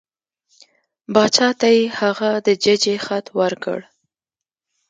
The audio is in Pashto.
باچا ته یې هغه د ججې خط ورکړ.